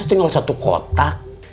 ini mau satu kotak